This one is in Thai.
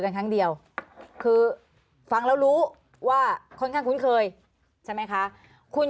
ครั้งเดียวคือฟังแล้วรู้ว่าค่อนข้างคุ้นเคยใช่ไหมคะคุณ